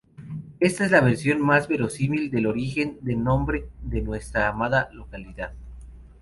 Esta es la versión más verosímil del origen del nombre de nuestra amada localidad.